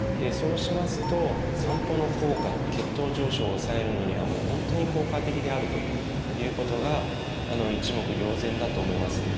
そうしますと散歩の効果血糖上昇を抑えるのにはもう本当に効果的であるということが一目瞭然だと思います。